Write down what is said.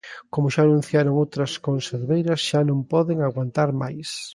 Como xa anunciaron outras conserveiras, xa non poden aguantar máis.